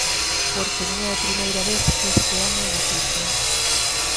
Porque non é a primeira vez que este home é noticia.